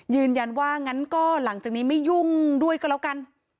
ยืนยันว่างั้นก็หลังจากนี้ไม่ยุ่งด้วยก็แล้วกัน